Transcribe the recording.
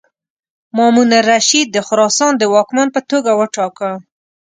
مامون الرشید د خراسان د واکمن په توګه وټاکه.